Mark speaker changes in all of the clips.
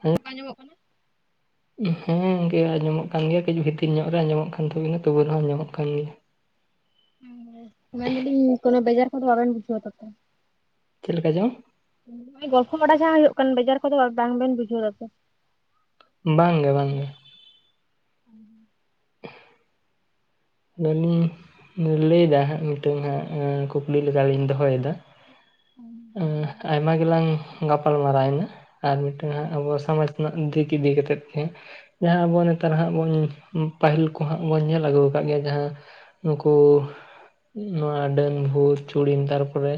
Speaker 1: ᱦᱮᱸ?
Speaker 2: ᱟᱸᱡᱚᱢᱚᱜ ᱠᱟᱱᱟ᱾
Speaker 1: [unintelligible] ᱦᱮᱸ ᱜᱮ ᱟᱸᱡᱚᱢᱚᱜ ᱠᱟᱱ ᱜᱮᱭᱟ ᱠᱤᱪᱷᱩ ᱵᱷᱤᱛᱤᱨ ᱧᱚᱜ ᱨᱮ ᱟᱸᱡᱚᱢᱚᱜ ᱠᱟᱱ ᱛᱟᱵᱤᱱᱟ ᱛᱚᱵᱩ ᱨᱮᱦᱚᱸ ᱟᱸᱡᱚᱢᱚᱜ ᱠᱟᱱ ᱜᱮᱭᱟ᱾
Speaker 2: [inaudible] ᱢᱮᱱ ᱫᱟᱞᱤᱧ ᱠᱚᱱᱳ ᱵᱮᱡᱟᱨ ᱠᱚ ᱫᱚ ᱵᱟᱵᱮᱱ ᱵᱩᱡᱷᱟᱹᱣᱟ ᱛᱟᱛᱮ᱾
Speaker 1: ᱪᱮᱫ ᱞᱮᱠᱟ ᱪᱚᱝ?
Speaker 2: ᱱᱚᱜ-ᱚᱭ ᱜᱚᱞᱯᱚ ᱵᱟᱰᱟ ᱡᱟᱦᱟᱸ ᱦᱩᱭᱩᱜ ᱠᱟᱱ ᱵᱮᱡᱟᱨ ᱠᱚ ᱫᱚ ᱵᱟᱝ ᱵᱮᱱ ᱵᱩᱡᱷᱟᱹᱣ ᱫᱟᱛᱚ?
Speaker 1: ᱵᱟᱝᱜᱮ ᱵᱟᱝᱜᱮ᱾
Speaker 2: ᱦᱩᱸ ᱦᱩᱸ᱾
Speaker 1: [unintelligible] ᱞᱟᱹᱭ ᱫᱟ ᱦᱟᱸᱜ ᱢᱤᱫᱴᱟᱝ ᱦᱟᱸᱜ ᱠᱩᱠᱞᱤ ᱞᱮᱠᱟᱞᱤᱧ ᱫᱚᱦᱚᱭᱮᱫᱟ᱾ ᱟᱭᱢᱟ ᱜᱮᱞᱟᱝ ᱜᱟᱯᱟᱞ ᱢᱟᱨᱟᱣᱭᱮᱱᱟ ᱟᱨ ᱢᱤᱫᱴᱟᱝ ᱦᱟᱸᱜ ᱟᱵᱚ ᱥᱚᱢᱟᱡ ᱨᱮᱱᱟᱜ ᱫᱤᱠ ᱤᱫᱤ ᱠᱟᱛᱮᱫ ᱜᱮ, ᱡᱟᱦᱟᱸ ᱟᱵᱚ ᱱᱮᱛᱟᱨ ᱦᱟᱸᱜ ᱵᱚᱱ ᱯᱟᱹᱦᱤᱞ ᱠᱚ ᱦᱟᱸᱜ ᱵᱚᱱ ᱧᱮᱞ ᱟᱹᱜᱩ ᱠᱟᱜ ᱜᱮᱭᱟ, ᱡᱟᱦᱟᱸ ᱱᱩᱠᱩ ᱱᱚᱣᱟ ᱰᱟᱹᱱ, ᱵᱷᱩᱛ, ᱪᱩᱲᱤᱱ ᱛᱟᱨ ᱯᱚᱨᱮ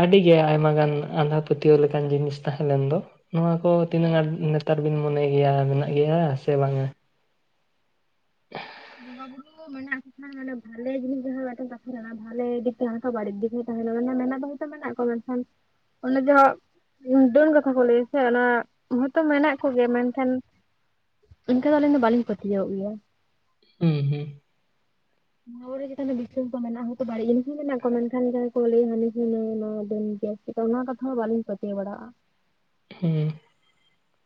Speaker 1: ᱟᱰᱤ ᱜᱮ ᱟᱭᱢᱟ ᱜᱟᱱ ᱟᱸᱫᱷᱟ ᱯᱟᱹᱛᱤᱭᱟᱹᱣ ᱞᱮᱠᱟᱱ ᱡᱤᱱᱤᱥ ᱛᱟᱦᱮᱸ ᱞᱮᱱ ᱫᱚ, ᱱᱚᱣᱟ ᱠᱚ ᱛᱤᱱᱟᱹᱜ ᱟᱸᱴ ᱱᱮᱛᱟᱨ ᱵᱤᱱ ᱢᱚᱱᱮᱭ ᱜᱮᱭᱟ ᱢᱮᱱᱟᱜ ᱜᱮᱭᱟ ᱥᱮ ᱵᱟᱝᱟ? [unintelligible]
Speaker 2: ᱵᱚᱸᱜᱟ ᱵᱩᱨᱩ ᱫᱚ ᱢᱮᱱᱟᱜᱼᱟ ᱠᱚ ᱠᱷᱟᱱ ᱛᱟᱦᱮᱸᱱᱟ, ᱵᱷᱟᱞᱮ‌ [inaudible] ᱚᱱᱮ ᱡᱚᱦᱚᱜ ᱰᱟᱹᱱ ᱠᱟᱛᱷᱟ ᱠᱚ ᱞᱟᱹᱭᱟ ᱥᱮ ᱚᱱᱟ ᱦᱚᱭᱛᱚ ᱢᱮᱱᱟᱜ ᱠᱚ ᱜᱮᱭᱟ ᱢᱮᱱᱠᱷᱟᱱ ᱤᱱᱠᱟ ᱫᱚ ᱟᱹᱞᱤᱧ ᱫᱚ ᱵᱟᱞᱤᱧ ᱯᱟᱹᱛᱭᱟᱹᱣᱟᱜ ᱜᱮᱭᱟ᱾
Speaker 1: ᱦᱩᱸ ᱦᱩᱸ᱾
Speaker 2: ᱵᱚᱸᱜᱟ ᱵᱩᱨᱩ ᱪᱮᱛᱟᱱ ᱨᱮ ᱱᱤᱥᱥᱟᱹᱫ ᱫᱚ ᱢᱮᱱᱟ ᱦᱳᱭᱛᱚ ᱵᱟᱲᱤᱡ ᱡᱤᱱᱤᱥ ᱦᱚᱸ ᱢᱮᱱᱟᱜ ᱠᱚ ᱢᱮᱱᱠᱷᱟᱱ ᱡᱟᱦᱟᱭ ᱠᱚ ᱡᱟᱦᱟᱸᱭ ᱞᱟᱹᱭ ᱦᱟᱱᱤ ᱥᱮ ᱱᱩᱭ ᱱᱚᱣᱟ ᱜᱮᱭᱟᱭ᱾ ᱪᱮᱫᱠᱟ ᱚᱱᱟ ᱠᱟᱛᱷᱟ ᱦᱚᱸ ᱵᱟᱹᱞᱤᱧ ᱯᱟᱹᱛᱭᱟᱹᱶ ᱵᱟᱲᱟᱜᱼᱟ᱾
Speaker 1: ᱦᱮᱸ᱾